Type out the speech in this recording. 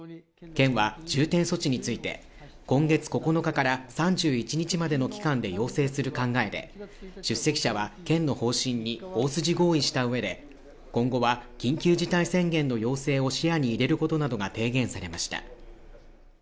県は重点措置について、今月９日から３１日までの期間で要請する考えで、出席者は県の方針に大筋合意したうえで今後は緊急事態宣言の要請を視野に入れることなどが提言されました。